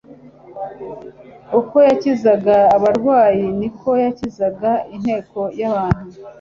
Uko yakizaga abarwayi niko yakizaga inteko y'abantu.